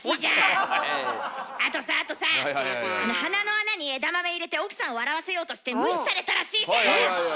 あとさあとさ鼻の穴に枝豆入れて奥さん笑わせようとして無視されたらしいじゃん！